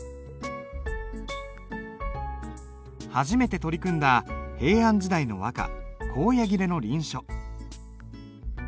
初めて取り組んだ平安時代の和歌「高野切」の臨書。